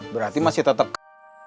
berarti masih tetep ke